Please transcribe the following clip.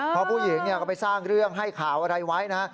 เพราะผู้หญิงก็ไปสร้างเรื่องให้ข่าวอะไรไว้นะ